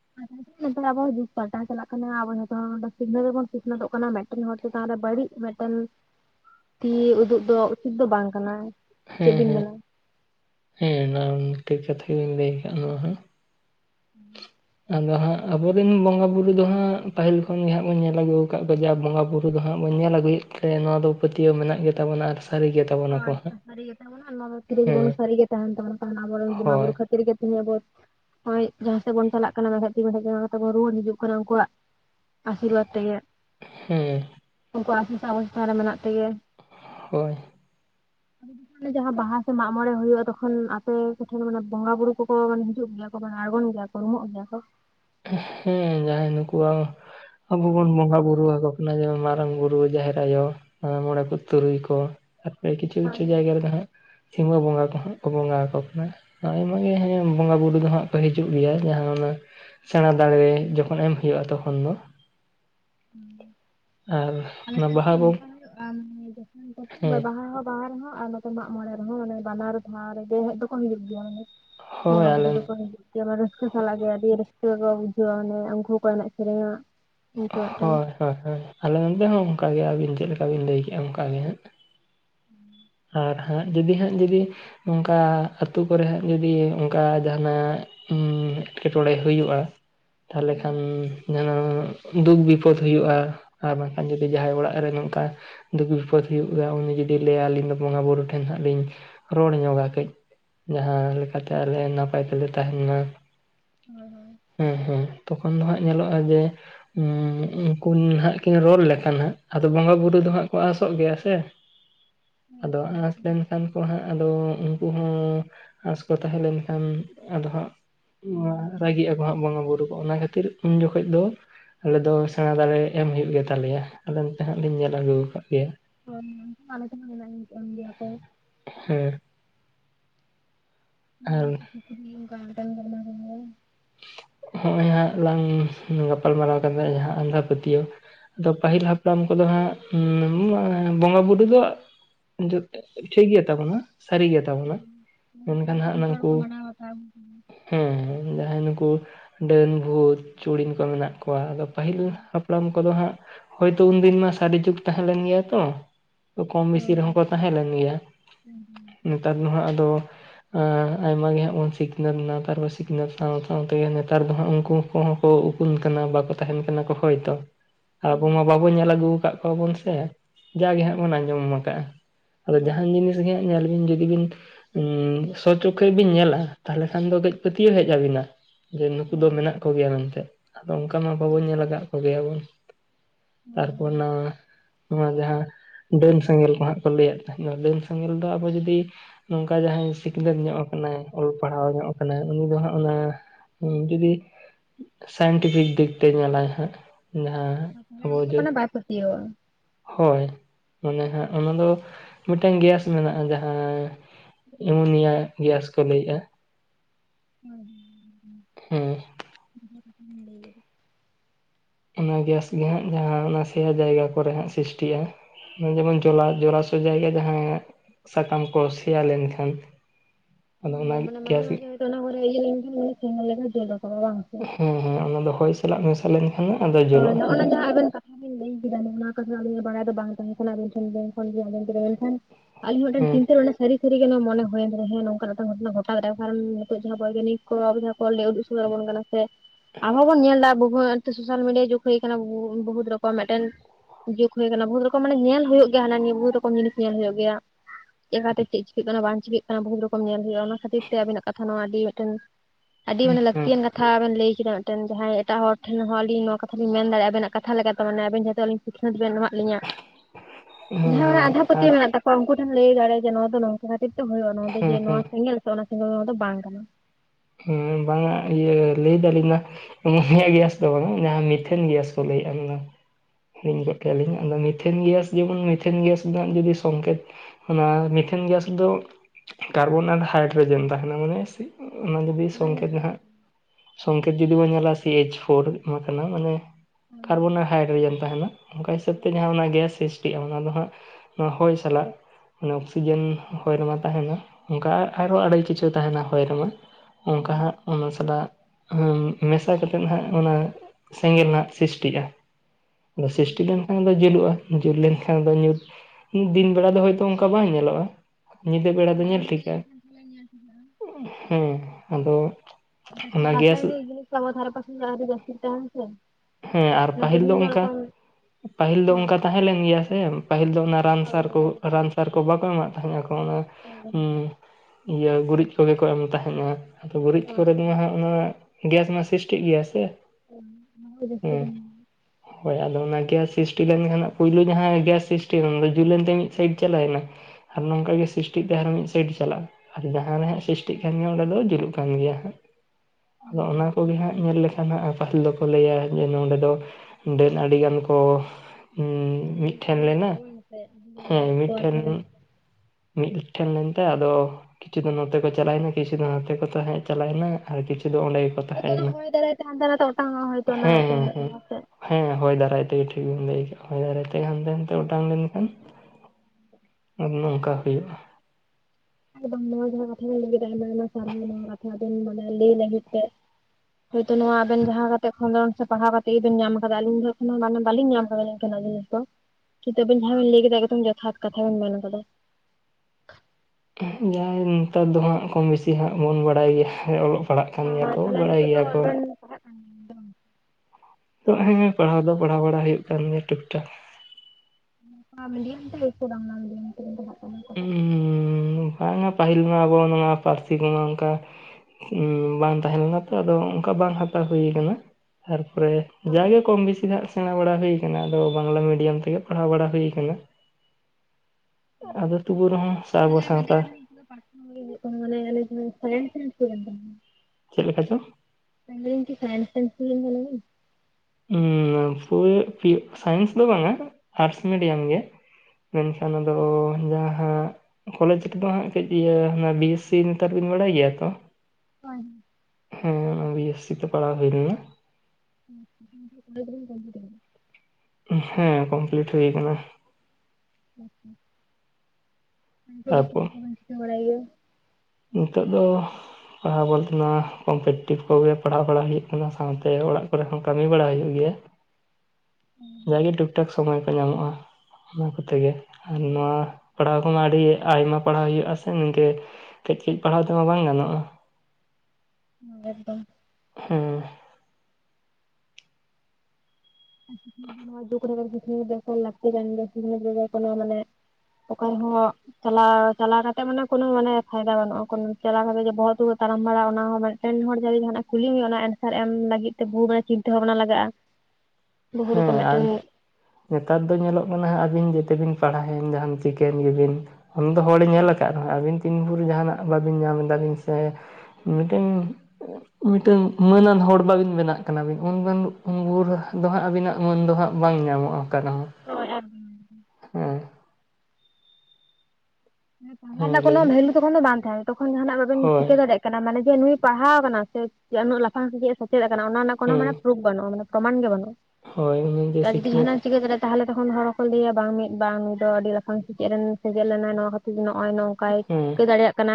Speaker 1: [unintelligible] [inaudible]
Speaker 2: ᱱᱮᱛᱟᱨ ᱟᱵᱚ ᱦᱚ ᱡᱩᱽ ᱯᱟᱞᱴᱟᱣ ᱪᱟᱞᱟᱜ ᱠᱟᱱᱟ᱾ ᱟᱵᱚ ᱡᱚᱛᱚ ᱦᱚᱲ ᱱᱚᱰᱮ ᱥᱤᱠᱷᱱᱟᱹ ᱨᱮᱵᱚᱱ ᱥᱤᱠᱷᱱᱟᱹᱛᱚᱜ ᱠᱟᱱᱟ ᱦᱚᱲᱚᱨ ᱢᱮᱫᱴᱮᱱ ᱦᱚᱲ ᱪᱮᱛᱟᱱ ᱨᱮ ᱵᱟᱹᱲᱤᱡ ᱛᱮᱱ ᱛᱤ ᱩᱫᱩᱜ ᱫᱚ ᱩᱪᱤᱛ ᱫᱚ ᱵᱟᱝ ᱠᱟᱱᱟ ᱪᱮᱫ
Speaker 1: ᱦᱮᱸ
Speaker 2: ᱵᱤᱱ
Speaker 1: ᱦᱮᱸ,
Speaker 2: ᱢᱮᱱᱟ?
Speaker 1: ᱦᱮᱸ ᱚᱱᱟ ᱴᱷᱤᱠ ᱠᱟᱛᱷᱟ ᱜᱮᱵᱤᱱ ᱞᱟᱹᱭ ᱠᱟᱜ-ᱟ ᱱᱚᱣᱟ ᱦᱚᱸ᱾
Speaker 2: [inaudible]
Speaker 1: ᱟᱫᱚ ᱦᱟᱸᱜ ᱟᱵᱚᱨᱮᱱ ᱵᱚᱸᱜᱟ ᱵᱩᱨᱩ ᱫᱚ ᱦᱟᱸᱜ ᱯᱟᱹᱦᱤᱞ ᱠᱷᱚᱱ ᱜᱮ ᱦᱟᱸᱜ ᱵᱚᱱ ᱧᱮᱞ ᱟᱹᱜᱩᱣ ᱠᱟᱫ ᱠᱚᱣᱟ ᱡᱟ ᱵᱚᱸᱜᱟ ᱵᱩᱨᱩ ᱠᱩ ᱫᱚ ᱦᱟᱸᱜ ᱵᱚᱱ ᱧᱮᱞ ᱟᱹᱜᱩᱭᱮᱫ ᱛᱮ ᱱᱚᱣᱟ ᱫᱚ ᱯᱟᱹᱛᱭᱟᱹᱣ ᱢᱮᱱᱟᱜ ᱜᱮᱛᱟᱵᱚᱱᱟ ᱟᱨ ᱥᱟᱹᱨᱤ ᱜᱮ ᱛᱟ
Speaker 2: ᱦᱚᱭ ᱛᱚ ᱥᱟᱹᱨᱤᱜᱮᱛᱟ ᱚᱱᱟ ᱟᱨ ᱱᱚᱣᱟ ᱫᱚ ᱪᱤᱨᱚ ᱡᱤᱵᱚᱱ
Speaker 1: ᱦᱮᱸ
Speaker 2: ᱥᱟᱹᱨᱤᱜᱮ ᱛᱟᱦᱮᱱ ᱛᱟᱵᱚᱱ᱾ ᱯᱟᱞᱮᱱ ᱟᱵᱚᱮᱱ ᱵᱚᱸᱜᱟ
Speaker 1: ᱦᱳᱭ
Speaker 2: ᱵᱩᱨᱩ ᱠᱷᱟᱹᱛᱤᱨ ᱜᱮ ᱛᱮᱦᱮᱧ ᱟᱵᱚ ᱦᱚᱭ ᱡᱟᱦᱟᱸᱥᱮᱫ ᱵᱚᱱ ᱪᱟᱞᱟᱜ ᱠᱟᱱᱟ ᱢᱮᱸᱲᱷᱮᱫ ᱛᱤ ᱢᱮᱸᱲᱷᱮᱫ ᱡᱟᱝᱜᱟ ᱠᱟᱛᱮ ᱵᱚᱱ ᱨᱩᱣᱟᱹᱲ ᱦᱤᱡᱩᱜ ᱠᱟᱱᱟ ᱩᱱᱠᱩᱣᱟᱜ ᱟᱥᱤᱨᱵᱟᱫᱽ ᱛᱮᱜᱮ᱾
Speaker 1: ᱦᱩᱸ᱾
Speaker 2: ᱩᱱᱠᱩᱣᱟᱜ ᱟᱥᱤᱥ ᱚᱵᱚ ᱪᱮᱛᱟᱱ ᱨᱮ ᱢᱮᱱᱟᱜ ᱛᱮᱜᱮ
Speaker 1: ᱦᱳᱭ᱾
Speaker 2: ᱚᱱᱮ ᱡᱚᱠᱷᱚᱱ ᱚᱱᱮ ᱡᱟᱦᱟᱸ ᱵᱟᱦᱟ ᱥᱮ ᱢᱟᱜᱽ ᱢᱚᱬᱮ ᱦᱩᱭᱩᱜ-ᱟ ᱛᱚᱠᱷ ᱠᱷᱚᱱ ᱟᱯᱮ ᱠᱚᱴᱷᱮᱱ ᱢᱟᱱᱮ ᱵᱚᱸᱜᱟ ᱵᱩᱨᱩ ᱠᱚᱠᱚ ᱢᱟᱱᱮ ᱦᱤᱡᱩᱜ ᱜᱮᱭᱟ ᱠᱚ, ᱢᱟᱱᱮ ᱟᱬᱜᱚᱱ ᱜᱮᱭᱟ ᱠᱚ, ᱨᱩᱢᱚᱜ ᱜᱮᱭᱟ ᱠᱚ᱾
Speaker 1: ᱦᱩᱸ ᱡᱟᱦᱟᱸᱭ ᱱᱩᱠᱩ ᱵᱟᱝ ᱟᱵᱚ ᱵᱚᱱ ᱵᱚᱸᱜᱟ ᱵᱳᱩᱨᱩᱣᱟᱠᱚ ᱠᱟᱱᱟ᱾ ᱡᱮᱢᱚᱱ ᱢᱟᱨᱟᱝ ᱵᱩᱨᱩ ᱡᱟᱦᱮᱨ ᱟᱭᱳ. ᱾ ᱦᱮᱸ ᱢᱚᱬᱮ ᱠᱚ ᱛᱩᱨᱩᱭ ᱠᱚ ᱟᱨ ᱯᱨᱟᱭ ᱠᱤᱪᱷᱩ
Speaker 2: ᱦᱳᱭ
Speaker 1: ᱠᱤᱪᱷᱩ
Speaker 2: ᱦᱳᱭ᱾
Speaker 1: ᱡᱟᱭᱜᱟ ᱨᱮᱫᱚ ᱦᱟᱸᱜ ᱥᱤᱢᱟᱹ ᱵᱚᱸᱜᱟ ᱠᱚ ᱦᱟᱸᱜ ᱠᱚ ᱵᱚᱸᱜᱟ ᱟᱠᱚ ᱠᱟᱱᱟ᱾ ᱟᱭᱢᱟ ᱜᱮ ᱦᱮᱸ ᱵᱚᱸᱜᱟ ᱵᱩᱨᱩ ᱫᱚ ᱦᱟᱸᱜ ᱠᱚ ᱦᱤᱡᱩᱜ ᱜᱮᱭᱟ ᱡᱟᱦᱟᱸ ᱚᱱᱟ ᱥᱮᱬᱟᱸ ᱫᱟᱲᱮ ᱨᱮ ᱡᱚᱠᱷᱚᱱ ᱮᱢ ᱦᱩᱭᱩᱜ-ᱟ ᱛᱚᱠᱷᱚᱱ ᱫᱚ. ᱾ ᱟᱨ ᱚᱱᱟ
Speaker 2: ᱟᱞᱮᱥᱮᱫ ᱫᱚ
Speaker 1: ᱵᱟᱦᱟ ᱵᱚᱱ
Speaker 2: ᱱᱚᱝᱠᱟ ᱦᱩᱭᱩᱜ-ᱟ ᱢᱟᱱᱮ ᱡᱚᱠᱷᱚᱱ ᱛᱟᱯᱚᱨ ᱵᱟ
Speaker 1: ᱦᱮᱸ
Speaker 2: ᱵᱟᱦᱟ ᱦᱚᱸ ᱰᱟᱦᱟ ᱨᱮᱦᱚᱸ ᱟᱨ ᱱᱚᱛᱮ ᱢᱟᱜ ᱢᱚᱬᱮ ᱨᱮᱦᱚᱸ ᱢᱟᱱᱮ ᱵᱟᱱᱟᱨ ᱫᱷᱟᱣ ᱨᱮᱜᱮ ᱦᱮᱡ ᱫᱚᱠᱚ ᱦᱤᱡᱩᱜ ᱜᱮᱭᱟ ᱢᱟᱱᱮ᱾
Speaker 1: ᱦᱳᱭ
Speaker 2: ᱜᱚᱸᱜᱟ ᱵᱩᱨᱩ
Speaker 1: ᱟᱞᱮ
Speaker 2: ᱫᱚ ᱠᱚ ᱦᱤᱡᱩᱜ ᱜᱮᱭᱟ ᱢᱟᱱᱮ ᱨᱟᱹᱥᱠᱟᱹ ᱥᱟᱞᱟᱜ ᱜᱮ ᱟᱹᱰᱤ ᱨᱟᱹᱥᱠᱟᱹ ᱠᱚ ᱵᱩᱡᱷᱟᱹᱣᱟ ᱢᱟᱱᱮ ᱩᱱᱝᱠᱩ ᱦᱚᱠᱚ ᱮᱱᱮᱡ ᱥᱮᱨᱮᱧᱟ᱾ ᱤᱱᱠᱟᱹ ᱢᱤᱫᱴᱮᱱ
Speaker 1: ᱦᱳᱭ ᱦᱳᱭ ᱦᱳᱭ ᱟᱞᱮ ᱚᱱᱚᱰᱮ ᱦᱚᱸ ᱚᱱᱠᱟ ᱜᱮ᱾ ᱟᱹᱵᱤᱱ ᱪᱮᱫ ᱞᱮᱠᱟ ᱵᱤᱱ ᱞᱟᱹᱭ ᱠᱮᱜᱼᱟ ᱚᱱᱠᱟᱜᱮ ᱦᱟᱸᱜ᱾ ᱟᱨ ᱦᱟᱸᱜ ᱡᱩᱫᱤ ᱦᱟᱸᱜ ᱡᱩᱫᱤ ᱱᱚᱝᱠᱟ ᱟᱹᱛᱩ ᱠᱚᱨᱮ ᱦᱟᱸᱜ ᱡᱩᱫᱤ ᱚᱱᱠᱟ ᱡᱟᱦᱟᱱᱟᱜ ᱦᱩᱸ ᱮᱴᱠᱮᱴᱚᱬᱮ ᱦᱩᱭᱩᱜ-ᱟ ᱛᱟᱦᱚᱞᱮ ᱠᱷᱟᱱ [unintelligible] ᱫᱩᱠ ᱵᱤᱯᱚᱫ ᱦᱩᱭᱩᱜ-ᱟ ᱟᱨ ᱵᱟᱝᱠᱷᱟᱡ ᱡᱩᱫᱤ ᱡᱟᱦᱟᱸᱭ ᱚᱲᱟᱜ ᱨᱮ ᱱᱚᱝ ᱫᱩᱠ ᱵᱤᱯᱚᱫ ᱦᱩᱭᱩᱜ ᱜᱮᱭᱟ᱾ ᱩᱱᱤ ᱡᱩᱫᱤᱭ ᱞᱟᱹᱭᱟ, ᱟᱹᱞᱤᱧ ᱫᱚ ᱵᱚᱸᱜᱟ ᱵᱩᱨᱩ ᱴᱷᱮᱱ ᱦᱟᱸᱜ ᱞᱤᱧ ᱨᱚᱲ ᱧᱚᱜᱟ ᱠᱟᱹᱡ᱾ ᱡᱟᱦᱟᱸ ᱞᱮᱠᱟᱛᱮ ᱟᱞᱮ ᱱᱟᱯᱟᱭ ᱛᱮᱞᱮ ᱛᱟᱦᱮᱱ ᱢᱟ᱾
Speaker 2: ᱦᱳᱭ ᱦᱳᱭ᱾
Speaker 1: ᱦᱩᱸ ᱦᱩᱸ ᱛᱚᱠᱷᱚᱱ ᱫᱚ ᱦᱟᱸᱜ ᱧᱮᱞᱚᱜ-ᱟ ᱡᱮ ᱩᱱᱠᱩᱱ ᱱᱟᱦᱟᱸᱜ ᱠᱤᱱ ᱨᱚᱲ ᱞᱮᱠᱷᱟᱱ ᱦᱟᱸᱜ ᱟᱫᱚ ᱵᱚᱸᱜᱟ ᱵᱩᱨᱩ ᱫᱚ ᱦᱟᱸᱜ ᱠᱚ ᱟᱥᱚᱜ ᱜᱮᱭᱟ ᱥᱮ᱾
Speaker 2: ᱦᱳᱭ᱾
Speaker 1: ᱟᱫᱚ ᱟᱸᱥ ᱞᱮᱱ ᱠᱟᱱ ᱠᱚ ᱦᱟᱸᱜ ᱟᱫᱚ ᱩᱱᱠᱩ ᱦᱚᱸ ᱟᱸᱥ ᱠᱚ ᱛᱟᱦᱮᱸ ᱞᱮᱱᱠᱷᱟᱱ ᱟᱫᱚ ᱦᱟᱸᱜ ᱱᱚᱣᱟ ᱨᱟᱹᱜᱤᱜ ᱟᱠᱚ ᱦᱟᱸᱜ ᱵᱚᱸᱜᱟ ᱵᱩᱨᱩ ᱠᱚ ᱚᱱᱟ ᱠᱷᱟᱹᱛᱤᱨ ᱩᱱ ᱡᱚᱠᱷᱚᱡ ᱫᱚ ᱟᱞᱮ ᱫᱚ ᱥᱮᱲᱟ ᱫᱟᱨᱮ ᱮᱢ ᱦᱩᱭᱩᱜ ᱜᱮᱛᱟᱞᱮᱭᱟ᱾ ᱟᱞᱮ ᱱᱚᱛᱮ ᱦᱟᱸᱜ ᱞᱤᱧ ᱧᱮᱞ ᱟᱹᱜᱩ ᱟᱠᱟᱫ ᱜᱮᱭᱟ. ᱾
Speaker 2: [unintelligible]
Speaker 1: ᱦᱮᱸ ᱟᱨ
Speaker 2: [unintelligible]
Speaker 1: ᱦᱚᱜ-ᱚᱭ ᱦᱟᱸᱜ ᱞᱟᱝ ᱜᱟᱯᱟᱞ ᱢᱟᱨᱟᱣ ᱠᱟᱫᱟ ᱡᱟᱦᱟᱸ ᱟᱸᱫᱷᱟ ᱯᱟᱹᱛᱭᱟᱹᱣ ᱫᱚ ᱯᱟᱹᱦᱤᱞ
Speaker 2: ᱚ
Speaker 1: ᱦᱟᱯᱲᱟᱢ ᱠᱚᱫᱚ ᱦᱟᱸᱜ ᱵᱚᱸᱜᱟ ᱵᱩᱨᱩ ᱫᱚ ᱡᱩᱛ ᱴᱷᱤᱠ ᱜᱮᱭᱟ ᱛᱟᱵᱚᱱᱟ ᱥᱟᱹᱨᱤ ᱜᱮ᱾
Speaker 2: [unintelligible] ᱡᱷᱚᱱ ᱛᱚᱲ ᱠᱚ ᱢᱟᱱᱟᱣ ᱵᱟᱛᱟᱣ ᱟᱹᱜᱩ ᱠᱟᱫᱟ᱾
Speaker 1: ᱦᱩᱸ ᱦᱩᱸ ᱡᱟᱦᱟᱸᱭ ᱱᱩᱠᱩ ᱰᱟᱹᱱ, ᱵᱷᱩᱛ, ᱪᱩᱲᱤᱱ, ᱠᱚ ᱢᱮᱱᱟᱜ ᱠᱚᱣᱟ᱾ ᱟᱫᱚ ᱯᱟᱹᱦᱤᱞ ᱦᱟᱯ- ᱲᱟᱢ ᱠᱚᱫᱚ ᱦᱟᱸᱜ ᱦᱚᱭ ᱛᱚ ᱩᱱᱫᱤᱱ ᱢᱟ ᱥᱟᱹᱨᱤ ᱡᱩᱜᱽ ᱛᱟᱦᱮᱸ ᱞᱮᱱ ᱜᱮᱭᱟ ᱛᱚ᱾ ᱠᱚᱢ
Speaker 2: ᱦᱳᱭ
Speaker 1: ᱵᱮᱥᱤ
Speaker 2: ᱦᱳᱭ
Speaker 1: ᱨᱮᱦᱚᱸ ᱠᱚ
Speaker 2: ᱮᱠᱫᱚᱢ
Speaker 1: ᱛᱟᱦᱮᱸ ᱞᱮᱱ ᱜᱮᱭᱟ, ᱱᱮᱛᱟᱨ ᱩᱱ ᱦᱚᱲᱟᱜ ᱟᱫᱚ ᱟᱭᱢᱟ ᱜᱮ ᱦᱟᱸᱜ ᱵᱚᱱ ᱥᱤᱠᱷᱱᱟᱹᱛ ᱱᱟ, ᱛᱟᱨᱯᱚᱨ ᱥᱤᱠᱷᱱᱟᱹᱛ ᱥᱟᱶ ᱥᱟᱶ ᱛᱮᱜᱮ ᱱᱮᱛᱟᱨ ᱫᱚ ᱦᱟᱸᱜ ᱩᱱᱠᱩ ᱠᱚᱦᱚᱸ ᱠᱚ ᱩᱠᱩᱱ ᱠᱟᱱᱟ, ᱵᱟᱠᱚ ᱛᱟᱦᱮᱸᱱ ᱠᱟᱱᱟ ᱠᱚ ᱦᱚᱭ ᱛᱚ᱾ ᱟᱵᱚ ᱢᱟ ᱵᱟᱵᱚᱱ ᱧᱮᱞ ᱟᱹᱜᱩᱣ ᱠᱟᱜ ᱠᱚᱣᱟ ᱵᱚᱱ ᱥᱮ᱾ ᱡᱟᱜᱮ ᱦᱟᱸᱜ ᱵᱚᱱ ᱟᱸᱡᱚᱢ ᱠᱟᱜ-ᱟ᱾ ᱟᱫᱚ ᱡᱟᱦᱟᱱ ᱡᱤᱱᱤᱥ ᱱᱟᱥᱮ ᱧᱚᱜ ᱧᱮᱞ ᱵᱤᱱ ᱡᱩᱫᱤ ᱵᱤᱱ ᱥᱚ ᱪᱚᱠᱷᱮ ᱵᱤᱱ ᱧᱮᱞᱟ, ᱛᱟᱦᱚᱸᱞᱮ ᱠᱷᱟᱱ ᱫᱚ ᱠᱟᱹᱡ ᱯᱟᱹᱛᱤᱭᱟᱹᱣ ᱦᱮᱡ- ᱟᱵᱤᱱᱟ, ᱡᱮ ᱱᱩᱠᱩ ᱫᱚ
Speaker 2: ᱦᱳᱭ
Speaker 1: ᱢᱮᱱᱟᱜ ᱠᱚᱜᱮᱭᱟ ᱢᱮᱱᱛᱮ᱾ ᱟᱫᱚ ᱚᱝᱠᱟ ᱢᱟ ᱵᱟᱵᱚᱱ ᱧᱮᱞ ᱠᱟᱜ ᱠᱚ ᱜᱮᱭᱟ ᱵᱚᱱ᱾
Speaker 2: ᱦᱳᱭ
Speaker 1: ᱛᱟᱨᱯᱚᱨ
Speaker 2: ᱦᱳᱭ
Speaker 1: ᱱᱟᱣᱟ, ᱱᱚᱣᱟ ᱡᱟᱦᱟᱸ ᱰᱟᱹᱱ ᱥᱮᱸᱜᱮᱞ ᱠᱚ ᱦᱟᱸᱜ ᱠᱚ ᱞᱟᱹᱭᱟᱜ ᱠᱟᱱ ᱫᱚ, ᱰᱟᱹᱱ ᱥᱮᱸᱜᱮᱞ ᱫᱚ ᱟᱵᱚ ᱡᱩᱫᱤ ᱱᱚᱝᱠᱟ ᱡᱟᱦᱟᱸᱭ ᱥᱤᱠᱷᱱᱟᱹᱛ ᱧᱚᱜ ᱠᱟᱱᱟᱭ, ᱚᱞ-ᱯᱟᱲᱦᱟᱣ ᱧᱚᱜ ᱠᱟᱱᱟᱭ, ᱩᱱᱤ ᱫᱚ ᱦᱟᱸᱜ ᱚᱱᱟ ᱩᱱ ᱡᱩᱫᱤ ᱥᱟᱭᱮᱱᱴᱤᱯᱷᱤᱠ ᱫᱤᱠ ᱛᱮ ᱧᱮᱞᱟᱭ ᱦᱟᱸᱜ ᱡᱟᱦᱟᱸ
Speaker 2: ᱦᱳᱭ ᱛᱟᱦᱚᱞᱮ ᱚᱱᱟ
Speaker 1: ᱟᱵᱚ
Speaker 2: ᱫᱚ
Speaker 1: ᱡᱮ
Speaker 2: ᱢᱟᱱᱮ ᱵᱟᱭ ᱯᱟᱹᱛᱤᱭᱟᱹᱣ ᱟᱜ-ᱟ᱾
Speaker 1: ᱦᱳᱭ ᱢᱟᱱᱮ ᱦᱟᱸᱜ ᱚᱱᱟ ᱫᱚ ᱢᱤᱜᱴᱟᱱ ᱜᱮᱥ ᱢᱮᱱᱟᱜ-ᱟ᱾ ᱡᱟᱦᱟᱸ ᱮᱢᱳᱱᱤᱭᱟ ᱜᱮᱥ ᱠᱚ ᱞᱟᱹᱭᱮᱜ-ᱟ᱾
Speaker 2: ᱦᱳᱭᱻ [unintelligible]
Speaker 1: ᱦᱩᱸ
Speaker 2: [unintelligible] ᱠᱟᱛᱷᱟᱢ ᱞᱟᱹᱭ ᱠᱟᱫᱟ᱾
Speaker 1: ᱚᱱᱟ ᱜᱮᱥ ᱜᱮ ᱦᱟᱸᱜ ᱡᱟᱦᱟᱸ ᱚᱱᱟ ᱥᱮᱭᱟ ᱡᱟᱭᱜᱟ ᱠᱚᱨᱮ ᱦᱟᱸᱜ ᱥᱤᱥᱴᱤᱜ-ᱟ᱾ ᱚᱱᱟ ᱡᱮᱢᱚᱱ ᱡᱚᱞᱟ ᱡᱚᱞᱟᱥᱚᱭ ᱡᱟᱭᱜᱟ ᱡᱟᱦᱟᱸ ᱥᱟᱠᱟᱢ ᱠᱚ ᱥᱮᱭᱟ ᱞᱮᱱᱠᱷᱟᱱ᱾ ᱟᱫᱚ ᱚᱱᱟ
Speaker 2: ᱢᱟᱱᱮ ᱢᱟᱡᱷᱮ
Speaker 1: ᱜᱮᱥ
Speaker 2: ᱢᱟᱡᱷᱮ ᱦᱚᱭ ᱛᱚ ᱚᱱᱟ ᱠᱚᱨᱮ ᱤᱭᱟᱹ ᱞᱮᱱ ᱠᱷᱟᱱ ᱢᱟᱱᱮ ᱥᱮᱸᱜᱮᱞ ᱞᱮᱠᱟ ᱡᱳᱞ ᱨᱟᱠᱟᱵᱟ ᱵᱟᱝ᱾ ᱥᱮ
Speaker 1: ᱦᱩᱸ ᱦᱩᱸ ᱚᱱᱟ ᱫᱚ ᱦᱚᱭ ᱥᱟᱞᱟᱜ ᱢᱮᱥᱟ ᱞᱮᱱᱠᱷᱟᱱ ᱟᱫᱚ
Speaker 2: ᱦᱳᱭ
Speaker 1: ᱡᱳᱞᱳᱜ-ᱟ
Speaker 2: ᱱᱚᱜᱼᱚᱱᱟ
Speaker 1: ᱵᱩᱡᱷᱟᱹᱣ᱾
Speaker 2: ᱡᱟᱦᱟᱸ ᱵᱤᱱ ᱞᱟᱹᱭ ᱠᱮᱫᱟ ᱱᱚᱱᱟ ᱠᱟᱛᱷᱟ ᱟᱹᱞᱤᱧᱟᱜ ᱵᱟᱲᱟᱭ ᱫᱚ ᱵᱟᱝ ᱛᱟᱦᱮᱸ ᱠᱟᱱᱟ᱾ ᱟᱵᱤᱱ ᱴᱷᱮᱱ ᱜᱮ ᱠᱷᱚᱱ ᱜᱮ ᱟᱸᱡᱚᱢ ᱞᱮᱫᱟ, ᱢᱮᱱ ᱠᱷᱟᱱ ᱟᱹᱞᱤᱧ ᱦᱚᱸ ᱢᱤᱫᱴᱮᱱ
Speaker 1: ᱦᱮᱸ
Speaker 2: ᱪᱤᱱᱛᱟᱹ ᱨᱮ ᱢᱟᱱᱮ ᱥᱟᱹᱨᱤ ᱥᱟᱹᱨᱤ ᱜᱮ ᱱᱚᱣᱟ ᱢᱚᱱᱮ ᱦᱳᱭᱮᱱ ᱨᱮ ᱦᱮᱸ ᱱᱚᱝᱠᱟᱱᱟᱜ ᱛᱚ ᱜᱷᱚᱴᱱᱟ ᱜᱷᱚᱴᱟᱣ ᱫᱟᱲᱮᱭᱟᱜ-ᱟ᱾ ᱠᱟᱨᱚᱱ ᱱᱤᱛᱚᱜ ᱡᱟᱦᱟᱸ ᱵᱚᱭᱜᱟᱱᱤᱠ ᱠᱚ ᱟᱵᱤᱱᱟᱜ ᱠᱚ ᱞᱮ ᱩᱫᱩᱜ ᱥᱚᱫᱚᱨᱟ ᱵᱚᱱ ᱠᱟᱱᱟ᱾ ᱥᱮ ᱟᱨᱦᱚᱸ ᱵᱚᱱ ᱧᱮᱞ ᱫᱟ [unintelligible] ᱛᱚ ᱥᱳᱥᱟᱞ ᱢᱤᱰᱤᱭᱟ ᱡᱩᱜᱽ ᱦᱳᱭ ᱠᱟᱱᱟ᱾ ᱵᱚᱦᱩᱛ ᱨᱚᱠᱚᱢ ᱢᱤᱫᱴᱮᱱ ᱡᱩᱜᱽ ᱦᱳᱭ ᱠᱟᱱᱟ᱾ ᱵᱚᱦᱩᱛ ᱨᱚᱠᱚᱢ ᱢᱟᱱᱮ ᱧᱮᱞ ᱦᱩᱭᱩᱜ ᱜᱮᱭᱟ ᱦᱟᱱᱟ ᱱᱤᱭᱟᱹ ᱠᱚᱜᱮ ᱵᱚᱦᱩᱛ ᱨᱚᱠᱚᱢ ᱡᱤᱱᱤᱥ ᱧᱮᱞ ᱦᱳᱭᱳᱜ ᱜᱮᱭᱟ᱾ ᱪᱮᱜ ᱠᱟᱛᱮ ᱪᱮᱜ ᱪᱤᱠᱟᱹᱜ ᱠᱟᱱᱟ, ᱵᱟᱝ ᱪᱤᱠᱟᱹᱜ ᱠᱟᱱᱟ ᱵᱚᱦᱩᱛ ᱨᱚ- ᱠᱚᱢ ᱧᱮᱞ ᱦᱩᱭᱩᱜ-ᱟ᱾ ᱚᱱᱟ ᱠᱷᱟᱹᱛᱤᱨ ᱛᱮ ᱟᱵᱤᱱᱟᱜ ᱠᱟᱛᱷᱟ ᱱᱚᱣᱟ ᱟᱹᱰᱤ ᱢᱮᱜᱴᱮᱱ ᱟᱹᱰᱤ
Speaker 1: ᱦᱮᱸ
Speaker 2: ᱢᱟᱱᱮ ᱞᱟᱹᱠᱛᱤᱭᱟᱱ ᱠᱟ- ᱛᱷᱟ ᱵᱮᱱ ᱞᱟᱹᱭ ᱠᱮᱫᱟ ᱢᱤᱜᱴᱮᱱ ᱡᱟᱦᱟᱸᱭ ᱮᱴᱟᱜ ᱦᱚᱲ ᱴᱷᱮᱱ ᱦᱚᱸ ᱟᱹᱞᱤᱧ ᱱᱚᱣᱟ ᱠᱟᱛᱷᱟᱞᱤᱧ ᱢᱮᱱ ᱫᱟᱲᱮᱭᱟᱜ-ᱟ᱾ ᱟᱵᱮᱱᱟᱜ ᱠᱟᱛᱷᱟ ᱞᱮᱠᱟᱛᱮ, ᱢᱟᱱᱮ ᱟᱵᱮᱱ ᱡᱮᱦᱮᱛᱩ ᱟᱹᱞᱤᱧ ᱥᱤᱠᱷᱱᱟᱹᱛ ᱵᱮᱱ ᱮᱢᱟᱜ ᱞᱤᱧᱟ᱾
Speaker 1: ᱦᱮᱸ
Speaker 2: ᱡᱟᱦᱟᱸ
Speaker 1: ᱦᱮᱸ
Speaker 2: ᱟᱸᱫᱷᱟ
Speaker 1: ᱟᱨ
Speaker 2: ᱯᱟᱹᱛᱤᱭᱟᱹᱣ ᱢᱮᱱᱟᱜ ᱛᱚ ᱩᱱᱠᱩ ᱴᱷᱮᱱ ᱞᱟᱹᱭ ᱫᱟᱲᱮᱭ ᱟᱡᱮ ᱱᱚᱣᱟ ᱫᱚ ᱱᱚᱝᱠᱟ ᱠᱷᱟᱹᱛᱤᱨ ᱛᱮ ᱦᱳᱭᱳᱜ-ᱟ᱾ ᱱᱚᱣᱟ ᱫᱚ
Speaker 1: ᱦᱮᱸ
Speaker 2: ᱡᱮ ᱱᱚᱣᱟ
Speaker 1: ᱦᱮᱸ
Speaker 2: ᱥᱮᱸᱜᱮᱞ ᱥᱮ ᱚᱱᱟ ᱥᱮᱸᱜᱮᱞ ᱱᱚᱣᱟ ᱫᱚ ᱵᱟᱝ ᱠᱟᱱᱟ᱾
Speaker 1: ᱦᱮᱸ ᱵᱟᱝᱟ ᱤᱭᱟᱹ ᱞᱟᱹᱭ ᱫᱟᱹᱞᱤᱧ ᱱᱟᱜ, ᱢᱚᱦᱮᱭᱟᱜ ᱜᱮᱥ ᱫᱚ ᱵᱟᱝ-ᱟ᱾ ᱡᱟᱦᱟᱸ ᱢᱤᱛᱷᱮᱱ ᱜᱮᱥ ᱠᱚ ᱞᱟᱹᱭᱮᱜ-ᱟ᱾ ᱚᱱᱟ ᱫᱚ ᱦᱤᱞᱤᱧ ᱜᱚᱜ ᱠᱮᱜ-ᱟ ᱞᱤᱧ, ᱟᱫᱚ ᱢᱤ- ᱢᱤᱛᱷᱮᱱ ᱜᱮᱥ ᱡᱮᱢᱚᱱ ᱢᱤᱛᱷᱮᱱ ᱜᱮᱥ ᱫᱚ ᱦᱟᱸᱜ ᱡᱩᱫᱤ ᱥᱚᱝᱠᱮᱯ ᱚᱱᱟ ᱢᱤᱛᱷᱮᱱ ᱜᱮᱥ ᱫᱚ ᱠᱟᱨᱵᱚᱱ ᱟᱨ ᱦᱟᱭᱰᱨᱳᱡᱮᱱ ᱛᱟᱦᱮᱸᱱᱟ ᱢᱟᱱᱮ ᱥᱮ ᱚᱱᱟ ᱡᱩᱫᱤ ᱥᱚᱝᱠᱮᱫ ᱦᱟᱸᱜ ᱥᱚᱝᱠᱮᱛ ᱡᱩᱫᱤ ᱵᱚᱱ ᱧᱮᱞᱼᱟ ᱥᱤ ᱮᱪ ᱯᱷᱳᱨ ᱱᱚᱣᱟ ᱠᱟᱱᱟ ᱢᱟᱱᱮ ᱠᱟᱨᱵᱚᱱ ᱟᱨ ᱦᱟᱭᱰᱨᱳᱡᱮᱱ ᱛᱟᱦᱮᱱᱟ᱾ ᱚᱝᱠᱟ ᱦᱤᱥᱟᱹᱵ ᱛᱮ ᱡᱟᱦᱟᱸ ᱚᱱᱟ ᱜᱮᱥ ᱥᱤᱥ ᱴᱤᱜ-ᱟ ᱚᱱᱟ ᱫᱚ ᱦᱟᱸᱜ᱾ ᱱᱚᱣᱟ ᱦᱚᱭ ᱥᱟᱞᱟᱜ, ᱢᱟᱱᱮ ᱚᱠᱥᱤᱡᱮᱱ ᱦᱚᱭ ᱨᱮᱢᱟ ᱛᱟᱦᱮᱸᱱᱟ᱾ ᱚᱝᱠᱟ ᱟᱨ ᱟᱨᱚ ᱟᱹᱰᱤ ᱠᱤᱪᱷᱩ ᱛᱟᱦᱮᱸᱱᱟ ᱦᱚᱭ ᱨᱮᱢᱟ᱾ ᱚᱝᱠᱟ ᱦᱟᱸᱜ ᱚᱱᱟ ᱥᱟᱞᱟᱜ ᱢᱮᱥᱟ ᱦᱩᱸ ᱠᱟᱛᱮᱫ ᱱᱟᱦᱟᱸᱜ ᱚᱱᱟ ᱥᱮᱸᱜᱮᱞ ᱱᱷᱟᱸᱜ ᱥᱤᱥᱴᱤᱜᱼᱟ, ᱟᱫᱚ ᱥᱤᱥᱴᱤ ᱫᱚ ᱠᱷᱟᱝ ᱫᱚ ᱡᱩᱞᱩᱜᱼᱟ, ᱡᱩᱞ ᱞᱮᱱᱠᱷᱟᱱ ᱫᱚ ᱧᱩᱛ ᱫᱤᱱ ᱵᱮᱲᱟ ᱫᱚ ᱦᱚᱭᱛᱚ ᱚᱝᱠᱟ ᱵᱟᱝ ᱧᱮᱞᱚᱜᱼᱟ᱾ ᱧᱤᱫᱟᱹ ᱵᱮᱲᱟ ᱫᱚ
Speaker 2: ᱦᱳᱭ
Speaker 1: ᱧᱮᱞ
Speaker 2: ᱧᱤᱫᱟᱹ ᱞᱮᱱᱠᱷᱟᱱ ᱛᱟᱦᱚᱸᱞᱮ ᱧᱮᱞ ᱴᱷᱤᱠᱟᱹᱜ-ᱟ᱾
Speaker 1: ᱦᱩᱸ ᱟᱫᱚ ᱚᱱᱟ
Speaker 2: ᱫᱷᱟᱥᱟ
Speaker 1: ᱜᱮᱥ
Speaker 2: ᱮᱱᱮᱡ ᱡᱤᱱᱤᱥ ᱠᱚ ᱟᱵᱚ ᱫᱷᱟᱨᱮ ᱯᱟᱥᱮ ᱫᱚ ᱟᱹᱣᱨᱤ ᱡᱟᱹᱥᱛᱤᱜ ᱟ ᱡᱮ
Speaker 1: ᱦᱮᱸ ᱟᱨ ᱯᱟᱹᱦᱤᱞ ᱫᱚ ᱚᱱᱠᱟ ᱯᱟᱹᱦᱤᱞ ᱫᱚ
Speaker 2: ᱦᱳᱭ
Speaker 1: ᱚᱱᱠᱟ ᱛᱟᱦᱮᱸ ᱞᱮᱱ ᱜᱮᱭᱟ ᱥᱮ ᱯᱟᱹᱦᱤᱞ ᱫᱚ ᱚᱱᱟ ᱨᱟᱱ ᱥᱟᱨ ᱠᱚ ᱨᱟᱱ ᱥᱟᱨ ᱠᱚ ᱵᱟᱠᱚ ᱮᱢᱟᱜ᱾ ᱚᱱᱟ ᱠᱚ ᱚᱱᱟ ᱦᱩᱸ ᱤᱭᱟᱹ ᱜᱩᱨᱤᱡ ᱠᱚᱜᱮ ᱠᱚ ᱮᱢ ᱛᱟᱦᱮᱱᱼᱟ ᱟᱫᱚ ᱜᱩᱨᱤᱡ ᱠᱚᱨᱮ ᱢᱟ ᱦᱟᱜ ᱚᱱᱟ ᱜᱮᱥ ᱢᱟ ᱥᱤᱥᱴᱤᱜ ᱜᱮᱭᱟ ᱥᱮ᱾
Speaker 2: ᱦᱳᱭ ᱡᱟᱹᱥᱛᱤ
Speaker 1: ᱦᱩᱸ᱾
Speaker 2: ᱛᱟᱦᱮᱱ
Speaker 1: ᱦᱳᱭ ᱟᱫᱚ ᱚᱱᱟ ᱜᱮᱥ ᱥᱤᱥᱴᱤ ᱞᱮᱱᱠᱷᱟᱱ ᱯᱩᱭᱞᱳ ᱡᱟᱦᱟ ᱜᱮᱥ ᱥᱤᱥᱴᱤ ᱚᱱᱟ ᱫᱚ ᱡᱩᱞᱮᱱ ᱛᱮ ᱢᱤᱫ ᱥᱟᱭᱤᱰ ᱪᱟᱞᱟᱣ ᱮᱱᱟ᱾ ᱟᱨ ᱱᱚᱝᱠᱟ ᱜᱮ ᱥᱤᱥᱴᱤ ᱛᱟᱦᱮ ᱢᱤᱫ ᱥᱟᱭᱤᱰ ᱪᱟᱞᱟᱜ-ᱟ ᱾ ᱟᱨ ᱡᱟᱦᱟᱸ ᱨᱮ ᱥᱤᱥᱴᱤᱜ ᱠᱟᱱ ᱜᱮᱭᱟ ᱚᱸᱰᱮ ᱫᱚ ᱡᱩᱞᱩᱜ ᱠᱟᱱ ᱜᱮᱭᱟ ᱦᱟᱸᱜ ᱾ ᱟᱫᱚ ᱚᱱᱟ ᱠᱚᱜᱮ ᱦᱟᱸᱜ ᱧᱮᱞ ᱞᱮᱠᱷᱟᱱ ᱦᱟᱸᱜ ᱯᱟᱦᱤᱞ ᱫᱚ ᱠᱚ ᱞᱟᱹᱭ-ᱟ ᱡᱮ ᱱᱚᱸᱰᱮ ᱫᱚ ᱰᱟᱹᱱ ᱟᱹᱰᱤ ᱜᱟᱱ ᱠᱚ ᱩᱸ
Speaker 2: ᱟᱹᱰᱤᱜᱟᱱ ᱠᱚ ᱢᱮᱱᱟᱜ ᱠᱚᱣᱟ ᱦᱮᱥᱮ ᱟᱹᱰᱤ ᱜᱟᱱ ᱢᱮᱱᱟᱜ ᱠᱚᱣᱟ ᱛᱟᱦᱚᱞᱮ
Speaker 1: ᱢᱤᱫ ᱴᱷᱮᱱ ᱢᱮᱱ ᱛᱮ ᱟᱫᱚ ᱠᱤᱪᱷᱩ ᱫᱚ ᱱᱚᱛᱮ ᱠᱚ ᱪᱟᱞᱟᱣ ᱮᱱᱟ ᱠᱤᱪᱷᱩ ᱫᱚ ᱱᱚᱛᱮ ᱠᱚ ᱛᱟᱦᱮᱸ ᱪᱟᱞᱟᱣ ᱮᱱᱟ ᱟᱨ ᱠᱤᱪᱷᱩ ᱫᱚ ᱚᱸᱰᱮ
Speaker 2: ᱱᱤᱛᱳᱜ ᱫᱚ
Speaker 1: ᱛᱟᱦᱮᱸᱭᱮᱱᱟ
Speaker 2: ᱦᱚᱭ ᱫᱟᱨᱟᱭ ᱛᱮ ᱦᱟᱱᱛᱮ ᱱᱟᱛᱮ ᱚᱴᱟᱝᱚᱜᱼᱟ ᱦᱳᱭᱛᱳ ᱚᱱᱟ
Speaker 1: ᱦᱮᱸ
Speaker 2: ᱢᱤᱫᱴᱮᱱ
Speaker 1: ᱦᱮᱸ ᱦᱮᱸ
Speaker 2: ᱥᱮ
Speaker 1: ᱦᱮᱸ ᱦᱚᱭ ᱫᱟᱨᱟᱭ ᱛᱮᱠᱮ ᱴᱷᱤᱠ ᱮᱢ ᱞᱟᱹᱭ ᱠᱟᱫᱟ ᱦᱚᱭ ᱫᱟᱨᱟᱭ ᱛᱮ ᱦᱮᱸ ᱦᱟᱱᱛᱮ ᱱᱟᱛᱮ ᱚᱴᱟᱝ ᱞᱮᱱᱠᱷᱟᱱ ᱟᱨ ᱱᱚᱝᱠᱟ ᱦᱩᱭᱩᱜ-ᱟ᱾
Speaker 2: ᱵᱟᱝ ᱱᱚᱣᱟ ᱡᱟᱦᱟ ᱠᱟᱛᱷᱟ ᱞᱟᱹᱭ ᱠᱮᱫᱟ ᱟᱭᱢᱟ ᱟᱭᱢᱟ ᱥᱟᱨᱦᱟᱣ ᱱᱚᱣᱟ ᱠᱟᱛᱷᱟ ᱟᱵᱮᱱ ᱢᱟᱱᱮ ᱞᱟᱹᱭ ᱞᱟᱹᱜᱤᱫ ᱛᱮ ᱾ ᱦᱳᱭᱛᱳ ᱱᱚᱣᱟ ᱟᱵᱮᱱ ᱡᱟᱦᱟᱸ ᱠᱟᱛᱮ ᱠᱷᱚᱸᱫᱽᱨᱚᱱᱫ ᱥᱮ ᱯᱟᱲᱦᱟᱣ ᱠᱟᱛᱮ ᱜᱮᱵᱮᱱ ᱧᱟᱢ ᱟᱠᱟᱫᱟ ᱟᱹᱞᱤᱧ ᱫᱚ ᱮᱠᱷᱚᱱᱚ ᱵᱟᱹᱞᱤᱧ ᱧᱟᱢ ᱟᱠᱟᱫᱟ ᱞᱤᱧ᱾ ᱞᱟᱹᱭ ᱫᱟᱞᱤᱧ ᱱᱤᱛ ᱫᱚ ᱠᱤᱱᱛᱩ ᱟᱵᱤᱱ ᱡᱟᱦᱟᱸ ᱵᱮᱱ ᱞᱟᱹᱭ ᱠᱮᱫᱟ ᱮᱠᱫᱚᱢ ᱡᱚᱛᱷᱟᱛ ᱠᱟᱛᱷᱟ ᱵᱮᱱ ᱢᱮᱱ ᱟᱠᱟᱫᱟ ᱾
Speaker 1: ᱦᱮ ᱡᱟᱦᱟᱸᱭ ᱱᱮᱛᱟᱨ ᱫᱚ ᱦᱟᱸᱜ ᱠᱚᱢ ᱵᱮᱥᱤ ᱦᱟᱸᱜ ᱵᱚᱱ ᱵᱟᱰᱟᱭ ᱜᱮᱭᱟ ᱦᱮᱸ ᱚᱞᱚᱜ ᱯᱟᱲᱦᱟᱜ ᱠᱟᱱ ᱜᱮᱭᱟ
Speaker 2: ᱟᱨ
Speaker 1: ᱠᱚ
Speaker 2: ᱛᱟᱦᱚᱞᱮ
Speaker 1: ᱵᱟᱰᱟᱭ
Speaker 2: ᱱᱤᱛᱚᱜ ᱫᱚ
Speaker 1: ᱜᱮᱭᱟ ᱠᱚ᱾
Speaker 2: ᱟᱵᱮᱱ ᱯᱟᱲᱦᱟᱜ ᱠᱟᱱ ᱜᱮᱭᱟ ᱵᱟᱝ
Speaker 1: ᱛᱚ ᱦᱮᱸ ᱯᱟᱲᱦᱟᱣ ᱫᱚ ᱯᱟᱲᱦᱟᱣ ᱵᱟᱲᱟ ᱦᱩᱭᱩᱜ ᱠᱟᱱ ᱜᱮᱭᱟ ᱴᱩᱠᱴᱟᱠ ᱾
Speaker 2: ᱚᱱᱠᱟ ᱢᱤᱰᱤᱭᱟᱢ ᱛᱮ ᱥᱮ ᱵᱟᱝᱞᱟ ᱢᱤᱞᱤᱭ ᱛᱮ ᱵᱤᱱ ᱯᱟᱲᱦᱟᱜ ᱠᱟᱱᱟ ᱚᱠᱟ ᱴᱟᱜ?
Speaker 1: ᱵᱟᱝ-ᱟ ᱯᱟᱹᱦᱤᱞ ᱢᱟ ᱟᱵᱚ ᱱᱚᱣᱟ ᱯᱟᱹᱨᱥᱤ ᱠᱚᱢᱟ ᱚᱱᱠᱟ ᱦᱩᱸ ᱵᱟᱝ ᱛᱟᱦᱮᱸ ᱞᱮᱱᱟ ᱛᱚ ᱟᱫᱚ ᱚᱱᱠᱟ ᱵᱟᱝ ᱦᱟᱛᱟᱣ ᱦᱩᱭ ᱠᱟᱱᱟ ᱾ ᱛᱟᱨᱯᱚᱨᱮ
Speaker 2: ᱦᱳᱭ
Speaker 1: ᱡᱟᱜᱮ ᱠᱚᱢ ᱵᱮᱥᱤ ᱱᱟᱜ ᱥᱮᱲᱟ ᱵᱟᱲᱟ ᱦᱩᱭ ᱠᱟᱱᱟ ᱟᱫᱚ ᱵᱟᱝᱞᱟ ᱢᱤᱰᱤᱭᱟᱢ ᱛᱮᱜᱮ ᱯᱟᱲᱦᱟᱣ ᱵᱟᱲᱟ ᱦᱩᱭ ᱠᱟᱱᱟ᱾ ᱟᱫᱚ ᱛᱩᱵᱩ ᱨᱮᱦᱚᱸ ᱥᱟ ᱟᱜᱩ ᱥᱟᱶᱛᱟ
Speaker 2: ᱟᱞᱤᱧ ᱢᱤᱫᱴᱟᱝ ᱢᱚᱱᱮ ᱟᱞᱤᱧ [unintelligible] ᱥᱟᱭᱮᱱ ᱥᱟᱭᱥ
Speaker 1: ᱪᱮᱫ ᱞᱮᱠᱟ ᱪᱚ?
Speaker 2: ᱢᱮᱱᱫᱟᱹᱧ ᱯᱷᱟᱱᱥᱱᱧ [unintelligible]
Speaker 1: ᱦᱩᱸ [unintelligible] ᱥᱟᱭᱮᱱᱥ ᱫᱚ ᱵᱟᱝᱟ ᱟᱨᱴᱥ ᱢᱤᱰᱤᱭᱟᱢ ᱜᱮ ᱾ ᱢᱮᱱᱠᱷᱟᱱ ᱫᱚᱧ ᱡᱟ ᱦᱟ ᱠᱚᱞᱮᱡᱽ ᱨᱮᱫᱚ ᱦᱟᱸᱜ ᱠᱟᱹᱡ ᱤᱭᱟᱹ ᱚᱱᱟ ᱵᱤ ᱮᱥ ᱥᱤ ᱱᱮᱛᱟᱨ ᱫᱚᱧ ᱵᱟᱲᱟᱭ ᱜᱮᱭᱟ ᱛᱚ
Speaker 2: ᱦᱳᱭ ᱦᱳᱭ ᱾
Speaker 1: ᱦᱳᱭ ᱚᱱᱟ ᱵᱤ ᱮᱥ ᱥᱤ ᱛᱮ ᱯᱟᱲᱦᱟᱣ ᱦᱩᱭᱞᱮᱱᱟ ᱾
Speaker 2: [inaudible]
Speaker 1: ᱦᱮᱸ ᱠᱚᱢᱯᱞᱮᱴ ᱦᱩᱭ ᱟᱠᱟᱱᱟ᱾
Speaker 2: [unintelligible]
Speaker 1: ᱛᱟᱨᱯᱚᱨ
Speaker 2: ᱢᱩᱠᱩᱴᱢᱩᱱᱤᱯᱩᱨ ᱵᱤᱱ ᱵᱟᱲᱟᱭ ᱜᱮᱭᱟ?
Speaker 1: ᱱᱤᱛᱚᱜ ᱫᱚ ᱯᱟᱲᱦᱟᱣ ᱵᱚᱞᱛᱮ ᱱᱚᱣᱟ ᱠᱚᱢᱯᱤᱴᱴᱤᱵᱽ ᱠᱚᱜᱮ ᱯᱟᱲᱦᱟᱣ ᱵᱟᱲᱟ ᱦᱩᱭᱩᱜ ᱠᱟᱱᱟ ᱥᱟᱶᱛᱮ ᱚᱲᱟᱜ ᱠᱚᱨᱮ ᱦᱚᱸ ᱠᱟᱹᱢᱤ ᱵᱟᱲᱟ ᱦᱩᱭᱩᱜ ᱜᱮᱭᱟ᱾ [unintelligible] ᱡᱟᱜᱮ ᱴᱩᱠ ᱴᱟᱠ ᱥᱚᱢᱚᱭ ᱠᱚ ᱧᱟᱢᱚᱜᱼᱟ ᱚᱱᱟ ᱠᱚᱛᱮ ᱜᱮ ᱟᱨ ᱱᱚᱣᱟ ᱯᱟᱲᱦᱟᱣ ᱠᱚᱢᱟ ᱟᱹᱰᱤ ᱟᱭᱢᱟ ᱯᱟᱲᱦᱟᱣ ᱦᱩᱭᱩᱜᱼᱟ ᱥᱮ ᱱᱤᱝᱠᱟᱹ ᱠᱟᱹᱡ ᱠᱟᱹᱡ ᱯᱟᱲᱦᱟᱣ ᱛᱮᱢᱟ ᱵᱟᱝ ᱜᱟᱱᱚᱜᱼᱟ ᱾
Speaker 2: ᱮᱠᱫᱚᱢ ᱾
Speaker 1: ᱦᱮᱸ
Speaker 2: ᱡ ᱠᱚ ᱞᱠᱛᱤ ᱡ ᱥᱱ ᱡᱳ ᱢᱟᱱᱮ [unintelligible] ᱚᱠᱟ ᱨᱮᱦᱚᱸ ᱪᱟᱞᱟᱣ ᱪᱟᱞᱟᱣ ᱠᱟᱛᱮᱜ ᱢᱟᱱᱮ ᱠᱚᱱᱳ ᱢᱟᱱᱮ ᱯᱷᱟᱭᱫᱟ ᱵᱟᱹᱱᱩᱜᱼᱟ ᱠᱚᱱᱳ ᱪᱟᱞᱟᱣ ᱠᱟᱛᱮ ᱵᱚᱦᱚᱜ ᱛᱩᱞ ᱛᱟᱲᱟᱢ ᱵᱟᱲᱟᱜᱼᱟ ᱚᱱᱟ ᱦᱚᱸ ᱢᱮ ᱨᱮᱱ ᱦᱚᱲ ᱡ ᱡᱟᱦᱱᱟᱜ ᱠᱩᱞᱤ ᱦᱩᱭᱩᱜ ᱚᱱᱟ ᱮᱱᱥᱟᱨ [unintelligible] ᱮᱢ ᱞᱟᱹᱜᱤᱫ ᱛᱮ ᱵᱩ ᱪᱤᱱᱛᱟᱹ ᱵᱷᱟᱵᱱᱟ ᱞᱟᱜᱼᱟ᱾
Speaker 1: ᱦᱩᱸ ᱟᱨ ᱱᱮᱛᱟᱨ ᱫᱚ ᱧᱮᱞᱚᱜ ᱠᱟᱱᱟ ᱦᱟᱸᱜ ᱟᱹᱵᱤᱱ ᱡᱮᱛᱮ ᱵᱤᱱ ᱯᱟᱲᱦᱟᱣᱮᱱ ᱡᱟᱦᱟᱱ ᱪᱤᱠᱮᱱ ᱜᱮᱵᱤᱱ᱾ ᱩᱱ ᱫᱚ ᱦᱚᱲᱮ ᱧᱮᱞ ᱟᱠᱟᱫ ᱨᱮᱦᱚ ᱟᱹᱵᱤᱱ ᱛᱤᱱ ᱵᱩᱨᱩ ᱡᱟᱦᱟᱱᱟᱜ ᱵᱵᱤᱱ ᱧᱟᱢ ᱫᱟ ᱵᱤᱱ ᱥᱮ ᱢᱤᱫᱴᱮᱱ ᱢᱤᱫᱴᱟᱝ ᱢᱟᱹᱱᱟᱱ ᱦᱚᱲ ᱵᱟᱹᱵᱤᱱ ᱵᱮᱱᱟᱜ ᱠᱟᱱᱟᱵᱤᱱ ᱩᱱᱟᱱ ᱩᱱ ᱫᱚ ᱦᱟᱸᱜ ᱟᱵᱤᱱᱟᱜ ᱢᱚᱱᱫᱚ ᱦᱟᱸᱜ ᱵᱟᱝ ᱧᱟᱢᱚᱜ ᱚᱠᱟᱨᱮᱦ ᱨᱮᱦᱚᱸ᱾
Speaker 2: ᱚ [inaudible]
Speaker 1: ᱦᱮᱸ,
Speaker 2: ᱯᱟᱲᱦᱟᱜ
Speaker 1: ᱦᱮᱸ
Speaker 2: ᱨᱮᱱᱟᱜ
Speaker 1: ᱞᱟᱹᱭ
Speaker 2: ᱠᱚᱱᱳ
Speaker 1: ᱵᱤᱱ
Speaker 2: ᱵᱷᱮᱞᱩ ᱛᱚᱠᱷᱚᱱ ᱵᱟᱝ ᱛᱟᱦᱮᱱᱟ ᱛᱚᱠᱷᱚᱱ ᱡᱟᱦᱟᱱᱟᱜ ᱵᱟᱵᱤᱱ
Speaker 1: ᱦᱳᱭ
Speaker 2: ᱪᱤᱠᱟᱹ ᱫᱟᱲᱮᱭᱟᱜ ᱠᱟᱱᱟ᱾ ᱠᱟᱱᱟ ᱢᱟᱱᱮ ᱡᱮ ᱱᱩᱭ ᱯᱟᱲᱦᱟᱣ ᱟᱠᱟᱱᱟ ᱥᱮ ᱩᱱᱟᱹᱜ ᱞᱟᱯᱷᱟᱝ ᱪᱮᱫ ᱮ ᱥᱮᱪᱮᱫ ᱟᱠᱟᱱᱟ ᱚᱱᱟ ᱨᱮᱱᱟᱜ ᱠᱚᱱᱱᱳ
Speaker 1: ᱦᱮᱸ
Speaker 2: ᱢᱟᱱᱮ ᱯᱨ ᱵᱟᱹᱱᱼᱟ ᱢᱟᱱ ᱯᱨᱚᱢᱟᱱ ᱜᱮ
Speaker 1: ᱦᱳᱭ ᱚᱱᱮ ᱡᱮ
Speaker 2: ᱵᱟᱹᱱᱩᱜᱼᱟ ᱡᱩᱫᱤ
Speaker 1: ᱥᱤᱠᱷᱱᱟᱹᱛ
Speaker 2: ᱡᱟᱦᱟᱱᱟᱜ ᱪᱤᱠᱟᱹ ᱛᱟᱦᱚᱞᱮ ᱛᱚᱠᱷᱚᱱ ᱦᱚᱲ ᱦᱚᱸᱠᱚ ᱞᱟᱹᱭᱟ ᱵᱟᱝ ᱢᱤᱫ ᱵᱟᱝ ᱱᱩᱭ ᱫᱚ ᱟᱹᱰᱤ ᱞᱟᱯᱷᱟᱝ ᱥᱮᱪᱮᱫ ᱥᱮᱸᱜᱮᱫ ᱞᱮᱱᱟᱭ ᱱᱚᱣᱟ ᱠᱷᱟᱹᱛᱤᱨ ᱱᱚᱜᱼᱚᱭ ᱱᱚᱝ ᱝᱠᱟᱭ
Speaker 1: ᱦᱮᱸ
Speaker 2: ᱟᱹᱤᱠᱟᱹ ᱫᱟᱲᱮᱭᱟᱜ ᱠᱟᱱᱟ